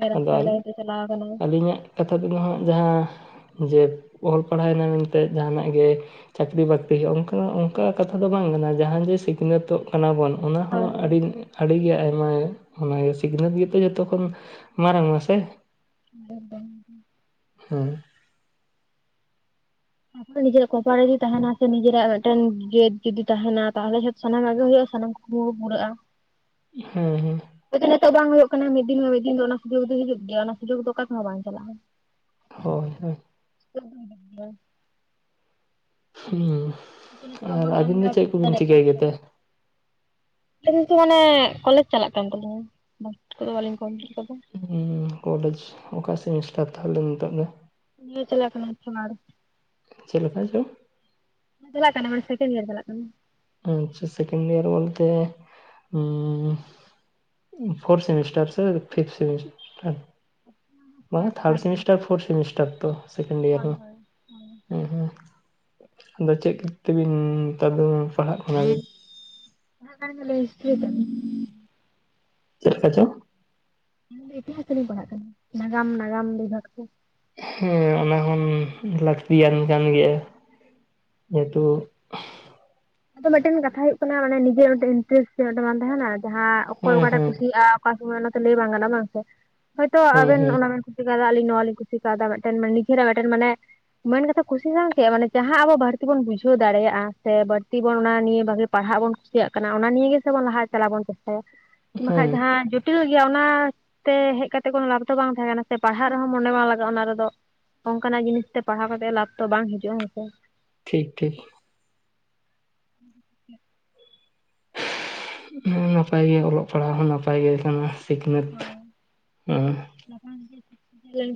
Speaker 2: ᱨᱟᱥᱛᱟ
Speaker 1: ᱟᱫᱚ
Speaker 2: ᱪᱟᱞᱟᱣ ᱠᱟᱱᱟ᱾
Speaker 1: ᱟᱹᱞᱤᱧᱟᱜ ᱠᱟᱛᱷᱟ ᱫᱚ ᱦᱟᱜ ᱡᱟᱦᱟᱸ ᱡᱮ ᱚᱞ ᱯᱟᱲᱦᱟᱣᱮᱱᱟ ᱢᱮᱱᱛᱮ ᱡᱟᱦᱟᱱᱟᱜ ᱜᱮ ᱪᱟᱹᱠᱨᱤ ᱵᱟᱹᱠᱨᱤ ᱦᱩᱭᱩᱜᱼᱟ ᱚᱱᱠᱟ ᱚᱱᱠᱟ ᱠᱟᱛᱷᱟ ᱫᱚ ᱵᱟᱝ ᱠᱟᱱᱟ ᱡᱟᱦᱟᱸ ᱡᱮ ᱥᱤᱠᱷᱱᱟᱹᱛᱚᱜ, ᱠᱟᱱᱟ ᱵᱚᱱ ᱚᱱᱟ ᱦᱚᱸ
Speaker 2: ᱦᱳᱭ ᱦᱳᱭ᱾
Speaker 1: ᱟᱹᱰᱤ ᱟᱹᱰᱤᱜᱮ ᱟᱭᱢᱟ ᱥᱤᱠᱷᱱᱟᱹᱛ ᱜᱮᱛᱚ ᱡᱚᱛᱚ ᱠᱷᱚᱱ, ᱢᱟᱨᱟᱝ ᱢ ᱥᱮ᱾
Speaker 2: ᱦᱩ [inaudible]
Speaker 1: ᱦᱮᱸ,
Speaker 2: ᱛ ᱱᱤᱡᱮᱨᱟᱜ ᱠᱚᱯᱟᱨ ᱨᱮ ᱡᱩᱫᱤ ᱛᱟᱦᱮᱱᱟ ᱥᱮ ᱱᱤᱡᱮᱨᱟᱜ ᱢᱤᱫᱴᱮᱱ ᱡᱟᱹᱛ ᱡᱩᱫᱤ ᱛᱟᱦᱮᱱᱟ ᱛᱟᱦᱚᱞᱮ ᱡᱚᱛᱚ ᱥᱟᱱᱟᱢ ᱟᱜᱮ ᱦᱩᱭᱩᱜᱼᱟ ᱥᱟᱱᱟᱢ ᱠᱩᱠᱢᱩ ᱯᱩᱨᱟᱹᱜᱼᱟ᱾
Speaker 1: ᱦᱮᱸ ᱦᱮᱸ,
Speaker 2: ᱟᱮ ᱱᱤᱛᱚᱜ ᱵᱟᱝ ᱦᱩᱭᱩᱜ ᱠᱟᱱᱟ ᱢᱤᱫ ᱫᱤᱱ ᱦᱚᱸ ᱢᱤᱫ ᱫᱤᱱ ᱚᱱᱟ ᱥᱩᱡᱳᱽ ᱫᱚ ᱦᱤᱡᱩᱜ ᱜᱮᱭᱟ ᱚᱱᱟ ᱥᱩᱡᱳᱜ ᱫᱚ ᱚᱠᱟ ᱠᱚᱦ ᱵᱟᱝ ᱪᱟᱞᱟᱜᱼᱟ᱾
Speaker 1: ᱦᱳᱭ ᱦᱳᱭ᱾
Speaker 2: ᱪᱭᱟ [inaudible]
Speaker 1: ᱦᱩᱸ,
Speaker 2: ᱛ [unintelligible]
Speaker 1: ᱟᱨ
Speaker 2: ᱵᱟᱵᱟᱱ ᱫ
Speaker 1: ᱟᱹᱵᱤᱱ ᱫᱚ ᱪᱮᱫ ᱠᱚᱵᱤᱱ ᱪᱤᱠᱟᱹᱭ ᱜᱮᱛᱮ
Speaker 2: [unintelligible] ᱢᱟᱱᱮ ᱠᱚᱞᱮᱡᱽ ᱪᱟᱞᱟᱜ ᱠᱟᱱ ᱛᱟᱹᱞᱤᱧᱟ᱾ ᱱᱳᱴ ᱠᱚᱫᱚ ᱵᱟᱹᱞᱤᱧ ᱠᱚᱢᱯᱞᱤᱰ ᱟᱠᱟᱫᱟ ᱾
Speaker 1: ᱠᱚᱞᱮᱡᱽ ᱚᱠᱟ ᱥᱮᱢᱤᱥᱴᱟᱨ ᱛᱟᱦᱚᱞᱮ ᱱᱤᱛᱚᱜ ᱫᱚ?
Speaker 2: [unintelligible]
Speaker 1: ᱪᱮᱫ ᱞᱮᱠᱟ ᱪᱚ?
Speaker 2: ᱪᱟᱞᱟᱜ ᱠᱟᱱᱟ ᱥᱮᱠᱮᱱᱰ ᱤᱭᱟᱨ ᱪᱟᱞᱟᱜ ᱠᱟᱱᱟ᱾
Speaker 1: ᱟᱪᱪᱷᱟ ᱥᱮᱠᱮᱱᱰ ᱤᱭᱟᱨ ᱵᱚᱞᱛᱮ ᱦᱩ ᱯᱷᱳᱨᱛᱷ ᱥᱮᱢᱤᱥᱴᱟᱨ ᱥᱮ ᱯᱷᱤᱯ ᱥᱮᱢᱤᱥ ᱵᱟᱝᱟ
Speaker 2: third
Speaker 1: third
Speaker 2: third
Speaker 1: semester fourth semester ᱛᱚ ᱫᱚ ᱥᱮᱠᱮᱱᱰ
Speaker 2: ᱦᱳᱭ
Speaker 1: ᱤᱭᱟᱨ ᱢᱟ?
Speaker 2: ᱦᱳᱭ ᱦᱳᱭ
Speaker 1: ᱦᱮᱸ ᱦᱮᱸ ᱟᱫᱚ ᱪᱮᱫ ᱛᱮᱵᱤᱱ ᱱᱮᱛᱟᱨ ᱫᱚ ᱯᱟᱲᱦᱟᱜ ᱠᱟᱱᱟ?
Speaker 2: [unintelligible]
Speaker 1: ᱪᱮᱫ ᱞᱮᱠᱟ ᱪᱚ?
Speaker 2: ᱤᱛᱤᱦᱟ ᱛᱮᱞᱤᱧ ᱯᱟᱲᱦᱟᱜ ᱠᱟᱱᱟ ᱱᱟᱜᱟᱢ ᱱᱟᱜᱟᱢ ᱵᱤᱵᱷᱟᱜᱽ ᱛᱮ᱾
Speaker 1: ᱦᱮᱸ ᱚᱱᱟᱦ ᱞᱟᱹᱠᱛᱤᱭᱟᱱ ᱠᱟᱱ ᱜᱮᱭᱟ ᱡᱮᱦᱮᱛᱩ
Speaker 2: ᱟᱫᱚ ᱢᱤᱫᱴᱮᱱ ᱠᱟᱛᱷᱟ ᱦᱩᱭᱩᱜ ᱠᱟᱱᱟ ᱢᱟᱱᱮ ᱱᱤᱡᱮᱨᱟᱜ ᱤᱱᱴᱟᱨᱮᱥᱴ ᱵᱟᱝ ᱛᱟᱦᱮᱱᱟ? ᱡᱟᱦᱟᱸ ᱚᱠᱚᱭ
Speaker 1: ᱦᱮᱸ
Speaker 2: ᱚᱠᱟᱴᱟᱜ
Speaker 1: ᱦᱮᱸ
Speaker 2: ᱠᱩᱥᱤᱭᱟᱜᱼᱟ ᱚᱠᱟ ᱥᱚᱢᱚᱭ ᱚᱱᱟᱛᱮ ᱞᱟᱹᱭ ᱵᱟᱝ ᱜᱟᱱᱚᱜ-ᱟ ᱵᱟᱝ ᱥᱮ ᱦᱳᱭᱛᱳ
Speaker 1: ᱦᱮᱸ
Speaker 2: ᱟᱵᱮᱱ
Speaker 1: ᱦᱮᱸ
Speaker 2: ᱚᱱᱟ ᱵᱮ ᱠᱩᱥᱤ ᱠᱟᱫᱟ ᱟᱞᱤᱧ ᱱᱚᱣᱟᱞᱤᱧ ᱠᱩᱥᱤ ᱠᱟᱣᱫᱟ ᱱᱤᱡᱮᱨᱟᱜ ᱢᱤᱫᱴᱮᱱ ᱢᱟᱱᱮ ᱢᱮᱱ ᱠᱟᱛᱷᱟ ᱠᱩᱥᱤ ᱥᱟᱶ ᱪᱮᱫ ᱢᱟᱱᱮ ᱡᱟᱦᱟᱸ ᱟᱵᱚ ᱵᱷᱟᱨ ᱛᱤ ᱵᱚᱱ ᱵᱩᱡᱷᱟᱹᱣ ᱫᱟᱲᱮᱭᱟᱜᱼᱟ ᱥᱮ ᱵᱟᱹᱲᱛᱤ ᱵᱚᱱ ᱚᱱᱟ ᱱᱤᱭᱟᱹ ᱵᱷᱟᱹᱜᱤ ᱯᱟᱲᱦᱟᱜ ᱵᱚᱱ ᱠᱩᱥᱤᱭᱟᱜ ᱠᱟᱱᱟ ᱚᱱᱟ ᱱᱤᱭᱟᱹ ᱜᱮᱵᱚᱱ ᱞᱟᱦᱟ ᱪᱟᱞᱟ ᱵᱚᱱ ᱪᱮᱥᱴᱟᱭᱟ ᱵᱟᱠᱷᱟᱡ
Speaker 1: ᱦᱮᱸ
Speaker 2: ᱫᱚ ᱦᱟᱸᱜ ᱡᱩᱴᱤᱭ ᱜᱮᱭᱟ ᱚᱱᱟᱛᱮ ᱦᱮᱡ ᱠᱟᱛᱮ ᱠᱳᱱᱳ ᱞᱟᱵᱷ ᱫᱚ ᱵᱟᱝ ᱛᱟᱦᱮᱸ ᱠᱟᱱᱟ ᱥᱮ ᱯᱟᱲᱟᱜ ᱨᱮᱦᱚᱸ ᱢᱚᱱᱮ ᱵᱟᱝ ᱞᱟᱜᱟᱜ-ᱟ ᱚᱱᱟ ᱨᱮᱫᱚ, ᱚᱱᱠᱟᱱᱟᱜ ᱡᱤᱱᱤᱥ ᱛᱮ ᱯᱟᱲᱦᱟᱣ ᱠᱟᱛᱮ ᱞᱟᱵᱷ ᱛᱚ ᱵᱟᱝ ᱦᱤᱡᱩᱜ-ᱟ ᱦᱮᱸᱥᱮ?
Speaker 1: ᱴᱷᱤᱠ ᱴᱷᱤᱠ᱾
Speaker 2: ᱦᱸ
Speaker 1: ᱱᱟᱯᱟᱭ ᱜᱮᱭᱟ ᱚᱞᱚᱜ ᱯᱟᱲᱦᱟᱣ ᱦᱚᱸ ᱱᱟᱯᱟᱭ ᱜᱮ ᱠᱟᱱᱟ ᱥᱤᱠᱷᱱᱟᱹᱛ
Speaker 2: ᱦᱳᱭ
Speaker 1: ᱦᱮ᱾
Speaker 2: [unintelligible]